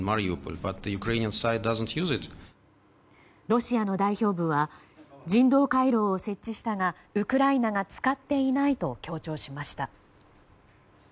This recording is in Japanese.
ロシアの代表部は人道回廊を設置したがウクライナが使っていないと強調しました。